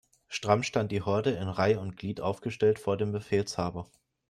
Stramm stand die Horde in Reih' und Glied aufgestellt vor dem Befehlshaber.